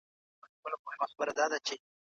املا د ژبي د بډایني مهم فعالیت دی.